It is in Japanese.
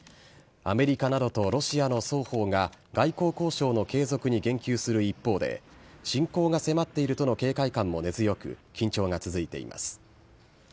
アメリカなどとロシアの双方が外交交渉の継続に言及する一方で、侵攻が迫っているとの警戒感も根強く、緊張が続いています。